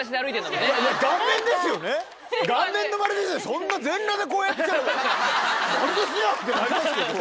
そんな全裸でこうやって来たら丸出しじゃん！ってなりますけど。